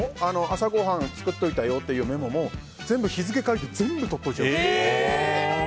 朝ごはん作っておいたよっていうメモも、日付を書いて全部取っておいちゃうんです。